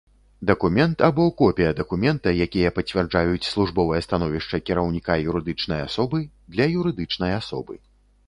Дакумент або копiя дакумента, якiя пацвярджаюць службовае становiшча кiраўнiка юрыдычнай асобы, – для юрыдычнай асобы.